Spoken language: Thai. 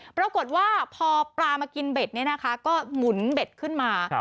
ปรากฏว่าพอปลามากินเบ็ดเนี่ยนะคะก็หมุนเบ็ดขึ้นมา